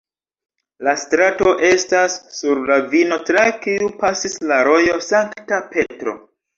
La strato estas sur ravino tra kiu pasis la rojo Sankta Petro.